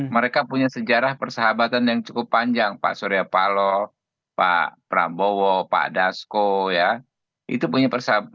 mereka punya sejarah persahabatan yang cukup panjang pak suryapalo pak prabowo pak dasko ya